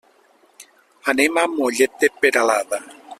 Anem a Mollet de Peralada.